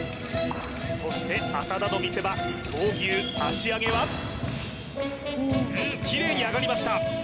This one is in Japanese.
そして浅田の見せ場闘牛足上げはうんキレイに上がりました